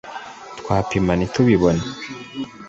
twapima ntitubibone